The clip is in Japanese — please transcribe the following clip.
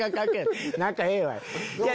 仲ええわい！